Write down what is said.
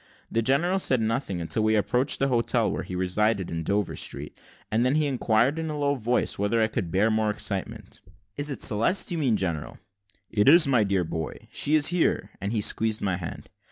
The general said nothing until we approached the hotel where he resided, in Dover Street; and then he inquired, in a low voice, whether I could bear more excitement. "Is it Celeste you mean, general?" "It is, my dear boy, she is here;" and he squeezed my hand.